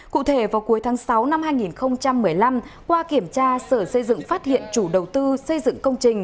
cụ thể vào cuối tháng sáu năm hai nghìn một mươi năm qua kiểm tra sở xây dựng phát hiện chủ đầu tư xây dựng công trình